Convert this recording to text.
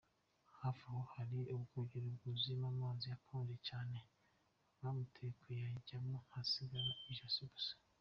Hafi aho hari ubwogero bwuzuyemo amazi akonje cyane, bamutegeka kuyajyamamo hagasigara ijosi gusa.